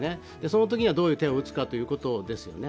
そのときに、どういう手を打つかということですよね。